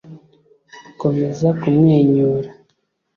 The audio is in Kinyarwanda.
komeza kumwenyura!